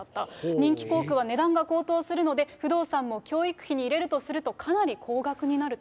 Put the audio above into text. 人気校区は値段が高騰するので、不動産も教育費にいれるとすると、かなり高額になると。